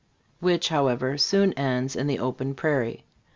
which, however, soon ends in the open prairie.